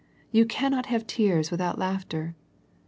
You cannot have tears without laughter.